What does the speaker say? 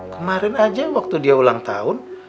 kemarin aja waktu dia ulang tahun